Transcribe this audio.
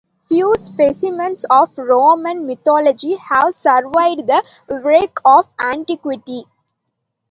Few specimens of Roman mythology have survived the wreck of antiquity.